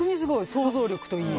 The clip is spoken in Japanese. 想像力といい。